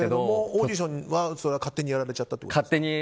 オーディションは勝手にやられちゃったということですか。